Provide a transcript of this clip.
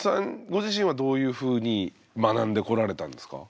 ご自身はどういうふうに学んでこられたんですか？